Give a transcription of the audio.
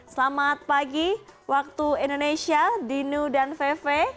selamat pagi waktu indonesia dino dan vev